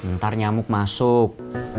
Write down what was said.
ntar nyamuk masuk